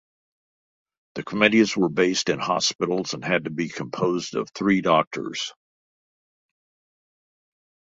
The committees were based in hospitals and had to be composed of three doctors.